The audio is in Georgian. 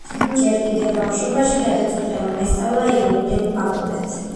ჯერ კიდევ ბავშვობაში გადაწყვიტა რომ ესწავლა იურიდიულ ფაკულტეტზე.